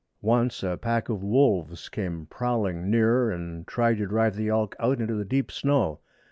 Once a pack of wolves came prowling near and tried to drive the elk out into the deep snow.